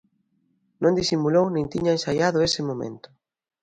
Non disimulou nin tiña ensaiado ese momento.